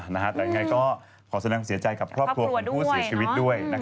แต่ยังไงก็ขอแสดงความเสียใจกับครอบครัวของผู้เสียชีวิตด้วย